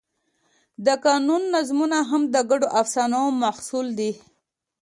د قانون نظامونه هم د ګډو افسانو محصول دي.